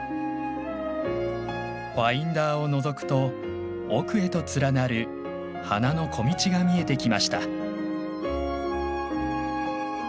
ファインダーをのぞくと奥へと連なる花の小道が見えてきました。